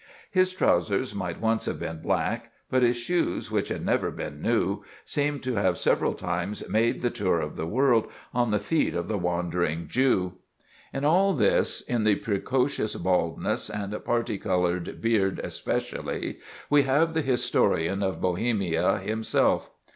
His trousers might once have been black, but his shoes, which had never been new, seemed to have several times made the tour of the world on the feet of the Wandering Jew." In all this—in the precocious baldness and parti colored beard especially—we have the historian of Bohemia himself.